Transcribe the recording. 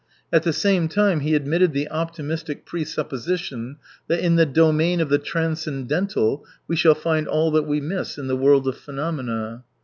At the same time he admitted the optimistic presupposition that in the domain of the transcendental we shall find all that we miss in the world of phenomena.